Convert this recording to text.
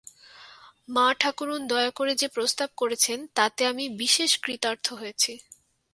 মা-ঠাকরুণ দয়া করে যে প্রস্তাব করেছেন, তাতে আমি বিশেষ কৃতার্থ হয়েছি।